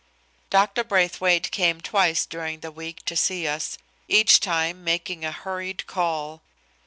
Dr. Braithwaite came twice during the week to see us, each time making a hurried call.